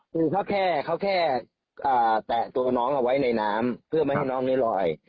คือเขาแค่เขาแค่แตะตัวน้องเอาไว้ในน้ำเพื่อไม่ให้น้องนี้ลอย